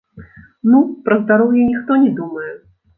Ну, пра здароўе ніхто не думае.